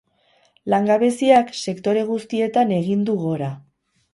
Langabeziak sektore guztietan egin du gora.